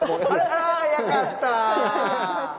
あ早かった。